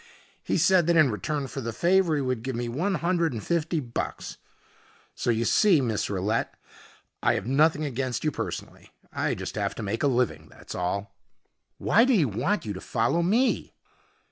He said that in return for the favor he would give me one hundred and fifty bucks. So you see, Miss Rillette, I have nothing against you personally. I just have to make a living, that's all." "Why did he want you to follow me?"